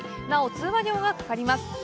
なお通話料はかかります。